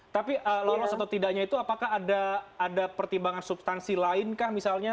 tapi lolos atau tidaknya itu apakah ada pertimbangan substansi lain kah misalnya